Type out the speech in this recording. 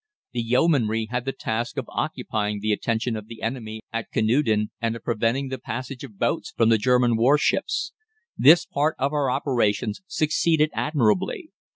The Yeomanry had the task of occupying the attention of the enemy at Canewdon, and of preventing the passage of boats from the German warships. This part of our operations succeeded admirably.